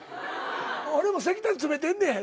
俺も石炭つめてんねん。